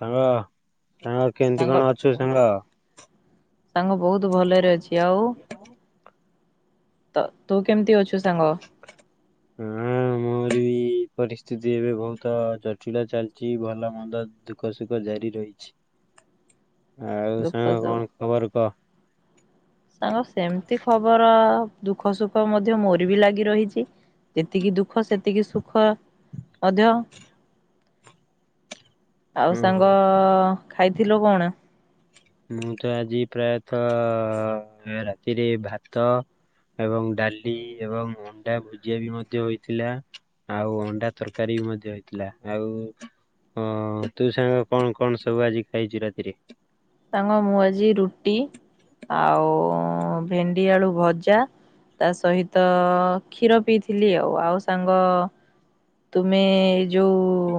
ସାଙ୍ଗ ସାଙ୍ଗ କେମିତି କଣ ଅଛୁ ସାଙ୍ଗ। ସାଙ୍ଗ ବହୁତ ଭଲରେ ଅଛି ଆଉ ତ ତୁ କେମିତି ଅଛୁ ସାଙ୍ଗ। ହଁ ଆମର [unintelligible] ଏ ପରିସ୍ଥିତି ଏବେ ବହୁତ ଜଟିଳ ଚାଲିଛି ଭଲ ମନ୍ଦ ଦୁଃଖ ସୁଖ ଜାରି ରହିଛି। ଆଉ ଦୁଃଖ ସାଙ୍ଗ ସବୁ କଣ ଖବର କହ। ସାଙ୍ଗ ସେମିତି ଖବର ଦୁଃଖ ସୁଖ ମଧ୍ୟ ମୋରିବି ଲାଗି ରହିଛି। ଯେତିକି ଦୁଃଖ ସେତିକି ସୁଖ ମଧ୍ୟ [inaudible] ଆଉ ସାଙ୍ଗ ହୁଁ ଖାଇଥିଲୁ କଣ? ମୁଁ ତ ଆଜି ପ୍ରାୟତଃ ରାତିରେ ଭାତ ଏବଂ ଡାଲି ଏବଂ ଅଣ୍ଡା ଭୁଜିଆ ବି ମଧ୍ୟ ହୋଇଥିଲା। ଆଉ ଅଣ୍ଡା ତରକାରୀ ବି ମଧ୍ୟ ହେଇଥିଲା ଆଉ ହଁ ତୁ ସାଙ୍ଗ କଣ କଣ ସବୁ ଆଜି ଖାଇଛୁ ରାତିରେ ତାଙ୍କ ମୁଁ ଆଜି ରୁଟି ଆଉ ଭେଣ୍ଡି ଆଳୁ ଭଜା। ତା ସହିତ କ୍ଷୀର ପିଇଥିଲି ଆଉ ଆଉ ସାଙ୍ଗ ତୁମେ ଯୋଉ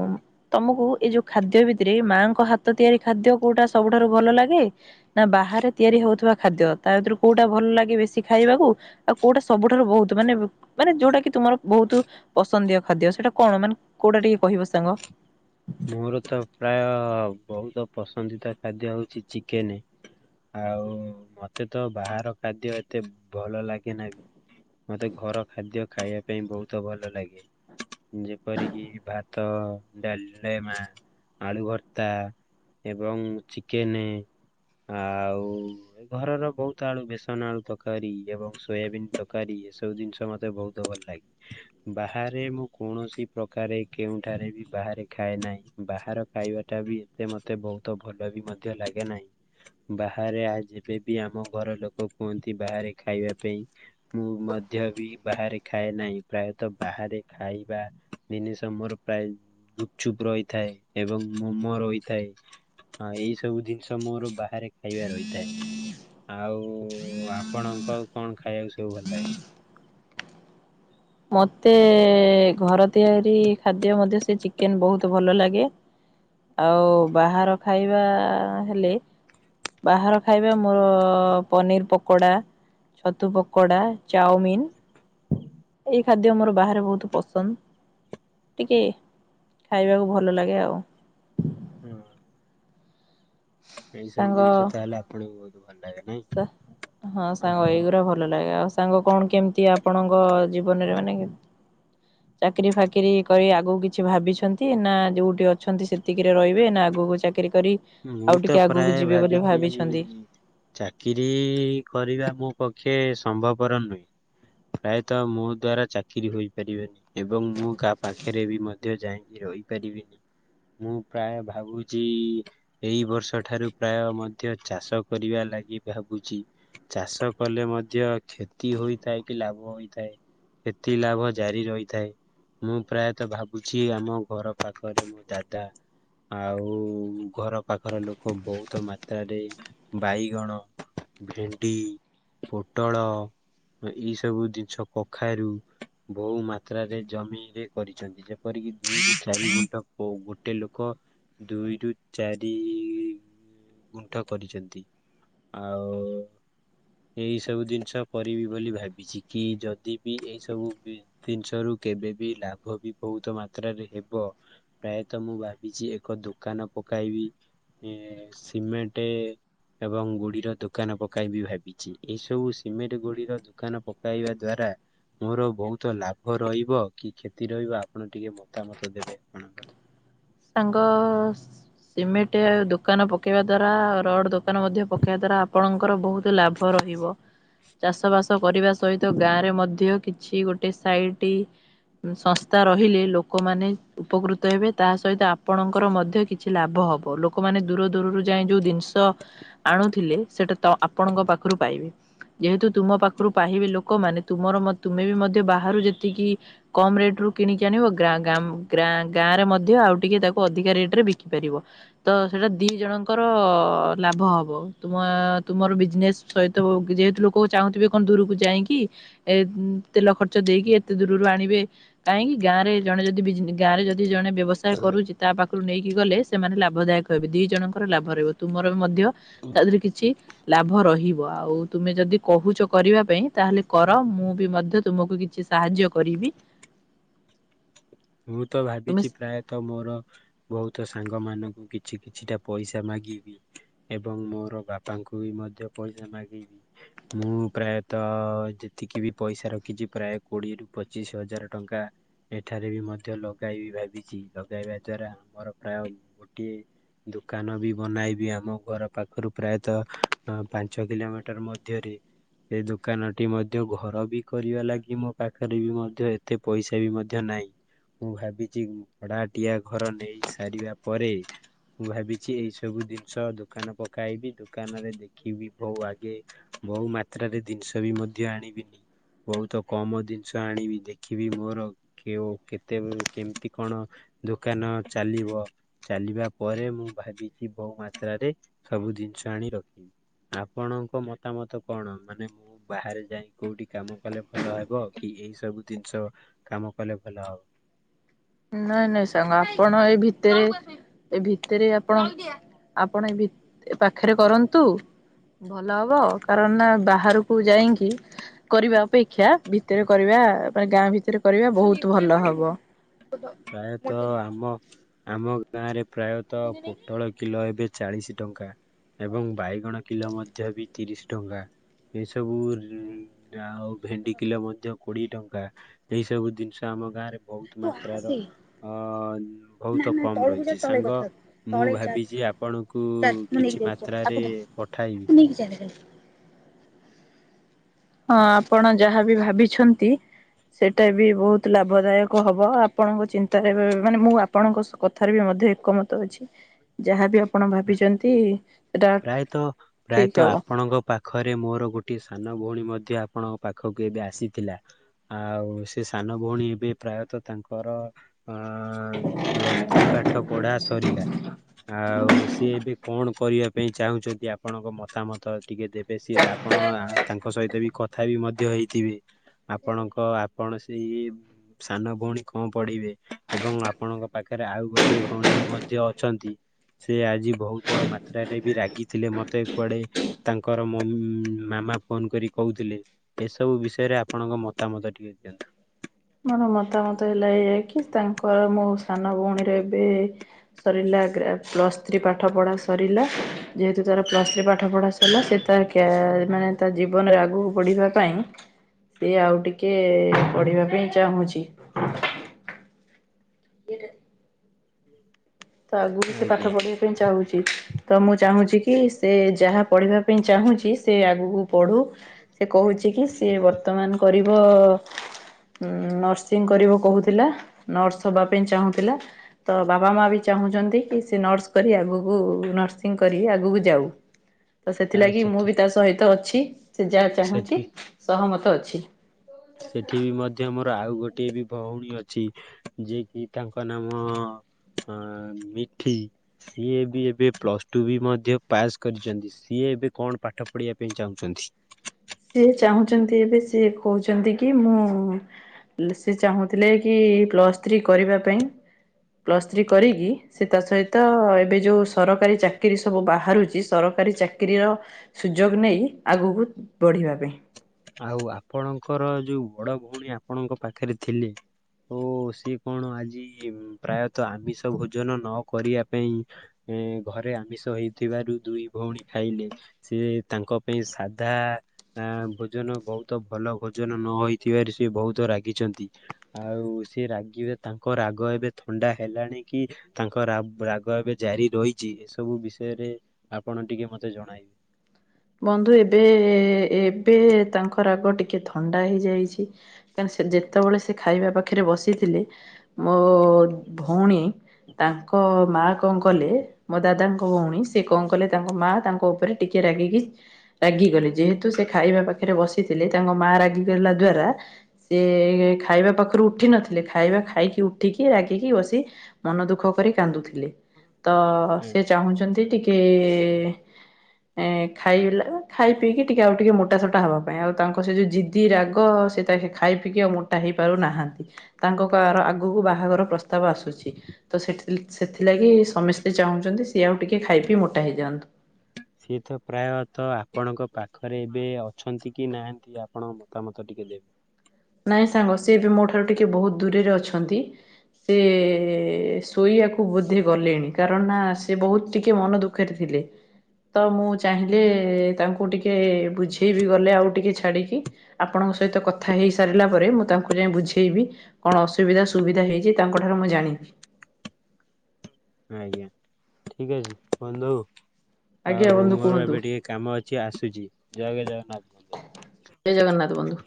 ତମକୁ ଏଇ ଯୋଉ ଖାଦ୍ୟ ଭିତରେ ମାଆଙ୍କ ହାତ ତିଆରି ଖାଦ୍ୟ କୋଉଟା ସବୁଠାରୁ ଭଲ ଲାଗେ। ନା ବାହାରେ ତିଆରି ହଉଥିବା ଖାଦ୍ୟ ତା ଭିତରୁ କୋଉଟା ଭଲ ଲାଗେ ବେଶୀ ଖାଇବାକୁ ଆଉ କୋଉଟା ସବୁଠାରୁ ବହୁତ ମାନେ ମାନେ ଯୋଉଟା କି ତୁମର ବହୁତ ପସନ୍ଦିୟ। ଖାଦ୍ୟ ସେଟା କଣ ମାନେ କୋଉଟା ଟିକେ କହିବ ସାଙ୍ଗ। ମୋର ତ ପ୍ରାୟ ବହୁତ ପସନ୍ଦିତା ଖାଦ୍ୟ ହେଉଛି ଚିକେନ। ଆଉ ମତେ ତ ବାହାର ଖାଦ୍ୟ ଏତେ ଭଲ ଲାଗେନା ବି ମତେ ଘର ଖାଦ୍ୟ ଖାଇବା ପାଇଁ ବହୁତ ଭଲ ଲାଗେ। ଯେପରିକି ଭାତ ଡାଲି ଆଳୁ ଭର୍ତ୍ତା ଏବଂ ଚିକେନ୍। ଆଉ ଘରର ବହୁତ ଆଳୁ ବେସନ ଆଳୁ ତରକାରୀ ଏବଂ ସୋୟାବିନ୍ ତରକାରୀ ଏସବୁ ଜିନିଷ ମତେ ବହୁତ ଭଲ ଲାଗେ। ବାହାରେ ମୁଁ କୌଣସି ପ୍ରକାରେ କେଉଁଠାରେ ବି ବାହାରେ ଖାଏ ନାହିଁ ବାହାର ଖାଇବାଟା ବି ଏତେ ମତେ ବହୁତ ଭଲ ବି ମଧ୍ୟ ଲାଗେ ନାହିଁ। ବାହାରେ ଆ ଯେବେବି ଆମ ଘର ଲୋକ କୁହନ୍ତି ବାହାରେ ଖାଇବା ପାଇଁ ମୁଁ ମଧ୍ୟ ବି ବାହାରେ ଖାଏ ନାହିଁ ପ୍ରାୟତଃ ବାହାରେ ଖାଇବା। ଜିନିଷ ମୋର ପ୍ରାୟ ଚୁପ୍ ରହିଥାଏ ଏବଂ ମମ ରହିଥାଏ। ହଁ ଏଇ ସବୁ ଜିନିଷ ମୋର ବାହାରେ ଖାଇବା ରହିଥାଏ। ଆଉ ଆପଣଙ୍କ କଣ ଖାଇବାକୁ ସବୁ ଭଲ ଲାଗ? ମୋତେ ଘର ତିଆରି ଖାଦ୍ୟ ମଧ୍ୟ ସେ ଚିକେନ ବହୁତ ଭଲ ଲାଗେ ଆଉ ବାହାର ଖାଇବା ହେଲେ ବାହାର ଖାଇବା ମୋ ପନିର ପକୋଡ଼ା, ଛତୁ ପକୋଡ଼ା, ଚାଉମିିନ ଏଇ ଖାଦ୍ୟ ମୋର ବାହାରେ ବହୁତ ପସନ୍ଦ ଟିକେ ଖାଇବାକୁ ଭଲ ଲାଗେ ଆଉ, ହଁ। ଏଇ ସବୁ ସାଙ୍ଗ ଜିନିଷ ତାହେଲେ ଆପଣଙ୍କୁ ବହୁତ ଭଲ ଲାଗେ ନାଇଁ। ହଁ ସାଙ୍ଗ ଆଉ ଏଇଗୁରା ଭ ଭଲ ଲାଗେ ଆଉ ସାଙ୍ଗ କଣ କେମିତି ଆପଣଙ୍କ ଜୀବନରେ ମାନେ ଚାକିରୀ ଫାକିରି କରି ଆଗକୁ କିଛି ଭାବିଛନ୍ତି ନା ଯୋଉଠି ଅଛନ୍ତି ସେତିକିରେ ରହିବେ ନା ଆଗକୁ ଚାକି ଚାକିରି କରି ମୁଁ ଆଉ ତ ଟିକେ ଆଗକୁ ପ୍ରାୟ ଯିବେ ବୋଲି ଭାବିଛି ଭାବିଛନ୍ତି। ଚାକିରିୀ କରିବା ମୋ ପକ୍ଷେ ସମ୍ଭବର ନୁହେଁ। ପ୍ରାୟତଃ ମୋ ଦ୍ଵାରା ଚାକିରିୀ ହୋଇପାରିବେନି। ଏବଂ ମୁଁ କାହା ପାଖରେ ବି ମଧ୍ୟ ଯାଇଁକି ରହିପାରିବିନି। ମୁଁ ପ୍ରାୟ ଭାବୁଛି ଏଇ ବର୍ଷ ଠାରୁ ପ୍ରାୟ ମଧ୍ୟ ଚାଷ କରିବା ଲାଗି ଭାବୁଛି। ଚାଷ କଲେ ମଧ୍ୟ କ୍ଷତି ହୋଇଥାଏ କି ଲାଭ ହୋଇଥାଏ। ଏତି ଲାଭ ଜାରି ରହିଥାଏ। ମୁଁ ପ୍ରାୟତଃ ଭାବୁଛି ଆମ ଘର ପାଖରେ ମୋ ଦାଦା ଆଉ ଘର ପାଖର ଲୋକ ବହୁତ ମାତ୍ରାରେ ବାଇଗଣ ଭେଣ୍ଡି ପୋଟଳ ଏଇ ସବୁ ଜିନିଷ କଖାରୁ ବହୁ ମାତ୍ରାରେ ଜମିରେ କରିଛନ୍ତି। କରିକି ଗୋଟେ ଲୋକ ଦୁଇରୁୁ ଚାରି ଦି ଘୁଣ୍ଟ କରିଛନ୍ତି ଆଉ ଏଇ ସବୁ ଜିନିଷ କରିବି ବୋଲି ଭାବିଛି କି ଯଦି ବି ଏଇ ସବୁ ଜିନିଷ ରୁ କେବେ ବି ଲାଭ ବି ବହୁତ ମାତ୍ରାରେ ହେବ ପ୍ରାୟତଃ ମୁଁ ଭାବିଛି ଏକ ଦୋକାନ ପକାଇବି ଏ ସିମେଣ୍ଟ ଏବଂ ଗୁଡିର ଦୋକାନ ପକାଇ ବି ଭାବିଛି ଏଇ ସବୁ ସିମେଣ୍ଟ ଗୁଡିର ଦୋକାନ ପକାଇବା ଦ୍ଵାରା ମୋର ବହୁତ ଲାଭ ରହିବ କି କ୍ଷତି ରହିବ ଆପଣ ଟିକେ ମତାମତ ଦେବେ ସାଙ୍ଗ ସିମେଣ୍ଟ ଆଉ ଦୋକାନ ପକେଇ ପକେଇବା ଦ୍ଵାରା ରଡ଼ ଦୋକାନ ମଧ୍ୟ ପକେଇବା ଦ୍ଵାରା ଆପଣଙ୍କର ବହୁତ ଲାଭ ରହିବ ଚାଷବାସ ଚାଷ କରିବା ସହିତ ଗାଁ ରେ ମଧ୍ୟ କିଛି ଗୋଟେ ସାଇଟ୍ ସଂସ୍ଥା ରହିଲେ ଲୋକମାନେ ଉପକୃତ ହେବେ ତା ସହିତ ଆପଣଙ୍କର ମଧ୍ୟ କିଛି ଲାଭ ହବ ଲୋକମାନୋନ ଦୂର ଦୂରରୁ ଯାଇଏ ଯୋଉ ଜିନିଷ ଆଣୁଥିଲେ ସେଟା ତ ଆପଣଙ୍କ ପାଖରୁ ପାଇବେ ଯେହେତୁ ତୁମ ପାଖରୁ ପାହିବେ ଲୋକମାନେ ତୁମର ତୁମେ ବି ମଧ୍ୟ ବାହାରୁ ଯେତିକି କମ ରେଟ ରୁ କିଣିକି ଆଣିବ ଗଁ ଗ ଗାଁ ରେ ମଧ୍ୟ ଆଉ ଟିକେ ତାକୁ ଅଧିକା ରେଟ ରେ ବିକି ପାରିବ ତ ସେଇଟା ଦି ଜଣଙ୍କର ଲାଭ ହବ ତୁମ ତୁମର ବିଜନେସ୍ ସହିତ ଓ ଯେହେତୁ ଲୋକ ଚାହୁଁଥିବେ କଣ ଦୂରକୁ ଯାଇଁକି ଏ ତେଲ ଖର୍ଚ୍ଚ ଦେଇକି ଏତେ ଦୂରରୁ ଆଣିବେ କାହିଁକି ଗାଁରେ ଜଣେ ଯଦି ବିଜ୍ ଗାଁରେ ଯଦି ଜଣେ ବ୍ୟବସାୟ କରୁଛି ତା ପାଖରୁ ନେଇକି ଗଲେ ସେମାନେ ଲାଭ ଦାୟକ ହେବେ ଦି ଜଣଙ୍କର ଲାଭ ରହିବ ତୁମର ମଧ୍ୟ ତା ଦେହରେ କିଛି ଲାଭ ରହିବ ଆଉ ତୁମେ ଯଦି କହୁଛ କରିବା ପାଇଁ ତାହେଲେ କର ମୁଁ ବି ମଧ୍ୟ ତୁମକୁ କିଛି ସାହାଯ୍ୟ କରିବି। ମୁଁ ତ ତୁମେ ଭାବିଛି ପ୍ରାୟ ତ ମୋର ବହୁତ ସାଙ୍ଗ ମାନଙ୍କୁ କିଛି କିଛିଟା ପଇସା ମାଗିବି ଏବଂ ମୋର ବାପାଙ୍କୁ ବି ମଧ୍ୟ ପଇସା ମାଗିବି। ମୁଁ ପ୍ରାୟତଃ ଯେତିକି ବି ପଇସା ରଖିଛି ପ୍ରାୟ କୋଡିଏ ରୁ ପଚିଶି ହଜାର ଟଙ୍କା ଏଠାରେ ବି ମଧ୍ୟ ଲଗାଇ ବି ଭାବିଛି ଲଗେଇବା ଦ୍ଵାରା ଆମର ପ୍ରାୟ ଗୋଟିଏ ଦୋକାନ ବି ବନାଇବି ଆମ ଘର ପାଖରୁ ପ୍ରାୟତଃ ପାଞ୍ଚ କିଲୋମିଟର ମଧ୍ୟରେ ଏ ଦୋକାନଟି ମଧ୍ୟ ଘର ବି କରିବା ଲାଗି ମୋ ପାଖରେ ବି ମଧ୍ୟ ଏତେ ପଇସା ବି ମଧ୍ୟ ନାହିଁ। ମୁଁ ଭାବିଛି ଭଡାଟିଆ ଘର ନେଇ ସାରିବା ପରେ ମୁଁ ଭାବିଛି ଏଇ ସବୁ ଜିନିଷ ଦୋକାନ ପକାଇବି ଦୋକାନରେ ଦେଖିବି ପ୍ରଉ ଆଗେ ବହୁ ମାତ୍ରାରେ ଜିନିଷ ବି ମଧ୍ୟ ଆଣିବିନି ବହୁତ କମ ଜିନିଷ ଆଣିବି ଦେଖିବି ମୋର କେଉଁ କେ ତେ କେମିତି କଣ ଦୋକାନ ଚାଲିବ। ଚାଲିବା ପରେ ମୁଁ ଭାବିଛି ବୋଉ ମାତ୍ରାରେ ସବୁ ଜିନିଷ ଆଣି ରଖିବି। ଆପଣଙ୍କ ମତାମତ କଣ ମାନେ ମୁଁ ବାହାରେ ଯାଇ କୋଉଠି କାମ କଲେ ଭଲ ହେବ କି ଏଇ ସବୁ ଜିନିଷ କାମ କଲେ ଭଲ ହବ। ନାଇଁ ନାଇଁ ସାଙ୍ଗ ଆପଣ ଏଇ ଭିତରେ ଏ ଭିତରେ ଆପଣ ଆପଣ ଏ ଭି ଏ ପାଖରେ କରନ୍ତୁ। ଭଲ ହବ କାରଣ ନା ବାହାରକୁ ଯାଇଁକି କରିବା ଅପେକ୍ଷା ଭିତରେ କରିବା ମାନେ ଗାଁ ଭିତରେ କରିବା ବହୁତ ଭଲ ହବ। ପ୍ରାୟତଃ ଆମ ଆମ ଗାଁରେ ପ୍ରାୟତଃ ପୋଟଳ କିଲୋ ଏବେ ଚାଳିଶ ଟଙ୍କା ଏବଂ ବାଇଗଣ କିଲୋ ମଧ୍ୟ ବି ତିରିଶ ଟଙ୍କା। ଏସବୁ ରୁ ଆଉ ଭେଣ୍ଡି କିଲୋ ମଧ୍ୟ କୋଡିଏ ଟଙ୍କା। ଏଇ ସବୁ ଜିନିଷ ଆମ ଗାଁ ରେ ବହୁତ ତୁ ମାତ୍ରାର ଆସେ। ଅ ଅନ୍ ବହୁତ କମ୍ ରହିଛି ସାଙ୍ଗ ମୁଁ ଭାବିଛି ଆପଣଙ୍କୁ କିଛି ମାତ୍ରାରେ ପଠାଇବି [unintelligible] ହଁ ଆପଣ ଯାହାବି ଭାବିଛନ୍ତି ସେଇଟା ବି ବହୁତ ଲାଭଦାୟକ ହବ ଆପଣଙ୍କ ଚିନ୍ତାରେ ବି ମାନେ ମୁଁ ଆ ଆପଣଙ୍କ ସ କଥାରେ ବି ମଧ୍ୟ ଏକମତ ଅଛି ଯାହାବି ଆପଣ ଭାବିଛନ୍ତି ସେଟା ପ୍ରାୟତଃ ଠିକ ପ୍ରାୟତଃ ହବ। ଆପଣଙ୍କ ପାଖ ଖରେ ମୋର ଗୋଟିଏ ସାନ ଭଉଣୀ ମଧ୍ୟ ଆପଣଙ୍କ ପାଖକୁ ଏବେ ଆସିଥିଲା। ଆଉ ସେ ସାନ ଭଉଣୀ ଏବେ ପ୍ରାୟତଃ ତାଙ୍କର ଅଁ ପ୍ଲସ୍ ଥ୍ରୀ ପାଠ ପଢା ସରିଲା। ଆଉ ସିଏ ଏବେ କଣ କରିବା ପାଇଁ ଚାହୁଁଛନ୍ତି ଆପଣଙ୍କ ମତାମତ ଟିକେ ଦେ ବେ ସିଏ ଆପଣ ତାଙ୍କ ସହିତ ବି କଥା ବି ମଧ୍ୟ ହେଇଥିବେ। ଆପଣଙ୍କ ଆପଣ ସେଇ ସାନ ଭଉଣୀ କଣ ପଢିବେ ଏବଂ ଆପଣଙ୍କ ପାଖରେ ଆଉ ଗୋଟିଏ ଭଉଣୀ ବି ମଧ୍ୟ ଅଛନ୍ତି। ସିଏ ଆଜି ବହୁତ ମାତ୍ରାରେ ବି ରାଗିଥିଲେ ମତେ କୁଆଡେ ତାଙ୍କର ମମ୍ ମାମା ଫୋନ କରି କହୁଥିଲେ। ଏସବୁ ବିଷୟରେ ଆପଣଙ୍କ ମତାମତ ଟିକେ ଦିଅନ୍ତୁ। ମୋର ମତାମତ ହେଲା ଏୟା କି ତାଙ୍କର ମୋ ସାନ ଭଉଣୀରେ ଏବେ ସରିଲା ଗ୍ରା ପ୍ଲସ୍ ଥ୍ରୀ ପାଠ ପଢ଼ା ସରିଲା। ଯେହେତୁ ତାର ପ୍ଲସ୍ ଥ୍ରୀ ପାଠ ପଢ଼ା ସରିଲା। ସେତେବେଳ ତା ମାନେ ତା ଜୀବନରେ ଆଗକୁ ବଢ଼ିବା ପାଇଁ ସିଏ ଆଉ ଟିକେ ପଢିବା ପାଇଁ ଚାହୁଁଚି। ଏଇଟା [inaudible] ତ ଆଗକୁ ସେ ଆଜ୍ଞା ପାଠ ପଢ଼ିବା ପାଇଁ ଚାହୁଁଚି ତ ମୁଁ ଚାହୁଁଚି କି ସେ ଯାହା ପଢ଼ିବା ପାଇଁ ଚାହୁଁଚି ସେ ଆଗକୁ ବଢୁ ସେ କହୁଚି କି ସେ ବର୍ ର୍ତ୍ତମାନ କରିବ ହୁଁ ନର୍ସିଂ କରିବ କହୁଥିଲା। ନର୍ସ ହବା ପାଇଁ ଚାହୁଁଥିଲା। ତ ବାବା ମା ବି ଚାହୁଁଚନ୍ତି କି ସେ ନର୍ସ କରି ଆଗକୁ ନର୍ସିଂ କରି ଆଗକୁ ଯାଉ। ତ ଆଉ ସେଥିଲାଗି ମୁଁ ସେଠି ବି ତା ସହିତ ଅଛି। ସେ ଯାହା ଚାହୁଁଚି ସେଠି ସହମତ ଅଛି। ସେଠି ବି ମଧ୍ୟ ମୋର ଆଉ ଗୋଟିଏ ବି ଭଉଣୀ ଅଛି। ଯିଏ କିି ତାଙ୍କ ନାମ ଅ ମିଠି। ସିଏ ବି ଏବେ ପ୍ଲସ ଟୁ ବି ମଧ୍ୟ ପାସ୍ କରିଚନ୍ତି ସିଏ ଏବେ କଣ ପାଠ ପଢିବା ପାଇଁ ଚାହୁଁଚନ୍ତି। ସିଏ ଚାହୁଁଚନ୍ତି ଏବେ ସିଏ କହୁଚନ୍ତି କି ମୁଁ ଉଁ ସେ ଚାହୁଁଥିଲେ କି ପ୍ଲସ୍ ଥ୍ରୀ କରିବା ପାଇଁ ପ୍ଲସ୍ ଥ୍ରୀ କରିକି ସେ ତା ସହିତ ଏବେ ଯୋଉ ସରକାରୀ ଚାକିରି ସବୁ ବାହାରୁଚି ସରକାରୀ ଚା କିରୀର ସୁଯୋଗ ନେଇ ଆଗକୁ ବଢିବା ପାଇଁ। ଆଉ ଆପଣଙ୍କର ଯୋଉ ବଡ ଭଉଣୀ ଆପଣଙ୍କ ପାଖରେ ଥିଲେ। ଓ ସିଏ କଣ ଆଜି ପ୍ରାୟତଃ ଆମିଷ ଭୋଜନ ନ କରିବା ପାଇଁ ଏ ଘରେ ଆମିଷ ହେଇଥିବାରୁ ଦୁଇ ଭଉଣୀ ଖାଇଲେ। ସିଏ ତାଙ୍କ ପାଇଁ ସାଧା ଆ ବ ଭୋଜନ ବହୁତ ଭଲ ଭୋଜନ ନ ହେଇଥିବାର ସେ ବହୁତ ରାଗିଚନ୍ତି। ଆଉ ସେ ରାଗିବେ। ତାଙ୍କ ରାଗ ଏବେ ଥଣ୍ଡା ହେଲାଣି କି? ତାଙ୍କ ରାଗ ଏବେ ଜାରି ରହିଚି ଏସବୁ ବିଷୟରେ ଆପଣ ଟିକେ ମତେ ଜଣାଇବେ। ବନ୍ଧୁ ଏବେ ଏବେ ତାଙ୍କ ରାଗ ଟିକେ ଥଣ୍ଡା ହେଇଯାଇଚି। ଯେତେବେଳେ ସେ ଖାଇବା ପାଖରେ ବସିଥିଲେ ମୋ ଭଉଣୀ ତାଙ୍କ ମା କଣ କଲେ ମୋ ଦାଦାଙ୍କୁ ଭଉଣୀ ସେ କଣ କଲେ ତାଙ୍କ ମାଆ ତାଙ୍କ ଉପରେ ଟିକିଏ ରାଗିକି ରାଗିଗଲେ ଯେହେତୁ ସେ ଖାଇବା ପାଖରେ ବସିଥିଲେ ତାଙ୍କ ମା ରାଗିଗଲା ଦ୍ଵାରା ସିଏ ଖାଇବା ପାଖରୁ ଉଠିିନଥିଲେ। ଖାଇବା ଖାଇକି ଉଠିକି ରାଗିକି ବସି ମନ ଦୁଃଖ କରି କାନ୍ଦୁଥିଲେ। ତ ଏଁ, ସେ ଚାହୁଁଚନ୍ତି ଟିକେ ଇଁ ଖାଇଲା ଖାଇ ପିଇକି ଟିକେ ଆଉ ଟିକେ ମୋଟାସୋଟା ହବା ପାଇଁ। ଆଉ ତାଙ୍କ ସେ ଯେଉଁ ଜିଦି ରାଗ ସେ ତା ଖାଇ ପିିଇକି ଆଉ ମୋଟା ହେଇପାରୁନାହାନ୍ତି। ତାଙ୍କ କହିବାର ଆଗକୁ ବାହାଘର ପ୍ରସ୍ତାବ ଆସୁଚି। ତ ସେଥି ସେଥିଲାଗି ସମସ୍ତେ ଚାହୁଁଚନ୍ତି ସିଏ ଆଉ ଟିକେଏ ଖାଇ ପିଇ ମୋଟା ହେଇଯାଆନ୍ତୁ। ସିଏ ତ ପ୍ରାୟତଃ ଆପଣଙ୍କ ପାଖରେ ଏବେ ଅଛନ୍ତି କି ନାହାନ୍ତି ଆପଣ ମତାମତ ଟିକେ ଦେବେ। ନାଇଁ ସାଙ୍ଗ ସିଏ ବି ମୋ ଠାରୁ ଟିକେ ବହୁତ ଦୂରରେ ଅଛନ୍ତି। ସେ ଶୋଇବାକୁ ବୋଧେ ଗଲେଣି। କାରଣ ନା ସେ ବହୁତ ଟିକେ ମନ ଦୁଃଖରେ ଥିଲେ। ତ ମୁଁ ଚାହିଁଲେ ତାଙ୍କୁ ଟିକେ ବୁଝେଇବିି ଗଲେ ଆଉ ଟିକେ ଛାଡ଼ିକି। ଆପଣଙ୍କ ସହିତ କଥା ହେଇ ସାରିଲା ପରେ ମୁଁ ତାଙ୍କୁ ଯାଇ ବୁଝେଇବି କଣ ଅସୁବିଧା ସୁବିଧା ହେଇଚି ତାଙ୍କଠାରୁ ମୁଁ ଜାଣିବି। ଆଜ୍ଞା ଠିକ୍ ଅଛି ବନ୍ଧୁ। ଆଜ୍ଞା ଆଉ ବନ୍ଧୁ ମୋର ଏବେ କୁହନ୍ତୁ ଟିକେ କାମ ଅଛି ଆସୁଚି ଜୟ ଜଗନ୍ନାଥ ବନ୍ଧୁ। ଜୟ ଜଗନ୍ନାଥ ବନ୍ଧୁ।